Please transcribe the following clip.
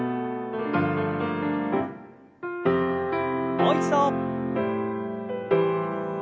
もう一度。